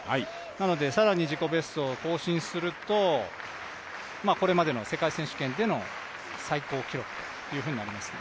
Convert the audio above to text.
なので更に自己ベストを更新するとこれまでの世界選手権での最高記録となります。